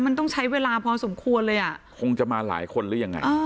มันต้องใช้เวลาพอสมควรเลยอ่ะคงจะมาหลายคนหรือยังไง